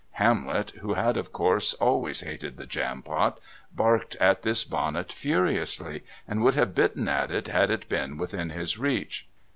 Hamlet, who had, of course, always hated the Jampot, barked at this bonnet furiously, and would have bitten at it had it been within his reach.